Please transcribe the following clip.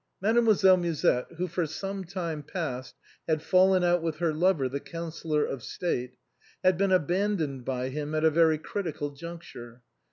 Mademoiselle Musette who for some time past had fallen out with her lover the Counsellor of State, had been abandoned by him at a very critical juncture.